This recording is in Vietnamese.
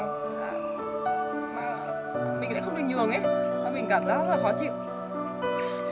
mà mình lại không được nhường ấy